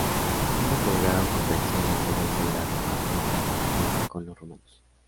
Ambos lograron convencer al joven soberano a renunciar a la alianza con los romanos.